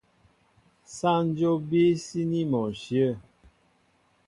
Sááŋ dyóp a bííy síní mɔ ǹshyə̂.